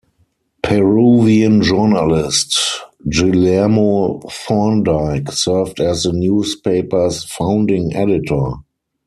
Peruvian journalist Guillermo Thorndike served as the newspaper's founding editor.